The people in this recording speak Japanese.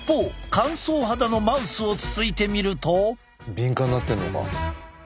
敏感になってるのか。